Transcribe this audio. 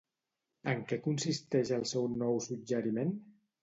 En què consisteix el seu nou suggeriment?